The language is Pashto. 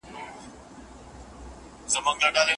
د مخالفت سمه زمینه څنګه شاګرد ته برابرېدای سي؟